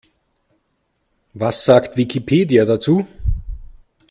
Was sagt Wikipedia dazu?